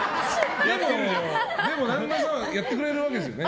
でも、旦那さんはやってくれるわけですよね。